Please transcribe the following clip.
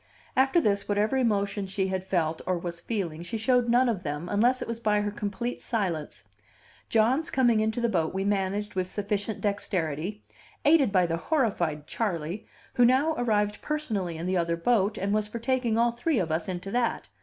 After this, whatever emotions she had felt, or was feeling, she showed none of them, unless it was by her complete silence. John's coming into the boat we managed with sufficient dexterity; aided by the horrified Charley, who now arrived personally in the other boat, and was for taking all three of us into that.